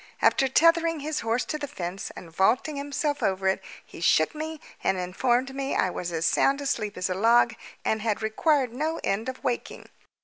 After tethering his horse to the fence and vaulting himself over it, he shook me and informed me I was as sound asleep as a log, and had required no end of waking.